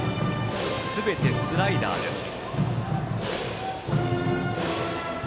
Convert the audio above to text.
すべてスライダーです。